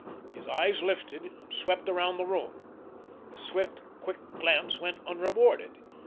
His eyes lifted, and swept around the room. The swift, quick glance went unrewarded.